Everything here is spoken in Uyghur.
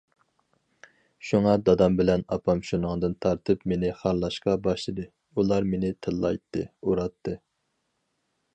شۇڭا دادام بىلەن ئاپام شۇنىڭدىن تارتىپ مېنى خارلاشقا باشلىدى، ئۇلار مېنى تىللايتتى، ئۇراتتى.